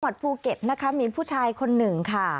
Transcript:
ภูเก็ตนะคะมีผู้ชายคนหนึ่งค่ะ